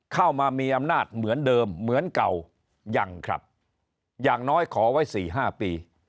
เข้ามามีอำนาจเหมือนเดิมเหมือนเก่ายังครับอย่างน้อยขอไว้สี่ห้าปี